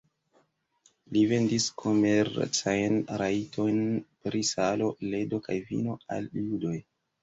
Li vendis komercajn rajtojn pri salo, ledo kaj vino al judoj.